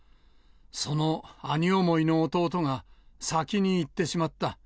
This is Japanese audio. その兄想いの弟が、先に逝ってしまった。